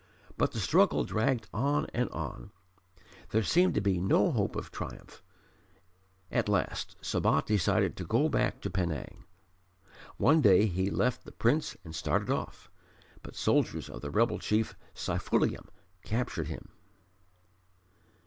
But the struggle dragged on and on; there seemed to be no hope of triumph. At last Sabat decided to go back to Penang. One day he left the Prince and started off, but soldiers of the rebel chief Syfoolalim captured him.